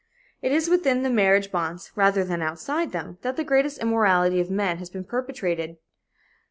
It is within the marriage bonds, rather than outside them, that the greatest immorality of men has been perpetrated.